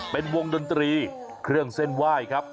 เป็นวงดนตรีเครื่องเส้นไหว้ครับ